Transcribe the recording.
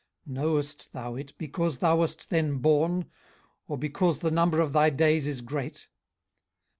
18:038:021 Knowest thou it, because thou wast then born? or because the number of thy days is great?